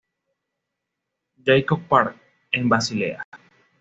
Jakob Park, en Basilea.